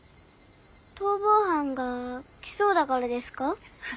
逃亡犯が来そうだからですか？